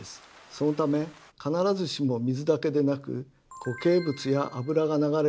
そのため必ずしも水だけでなく固形物や油が流れることもあります。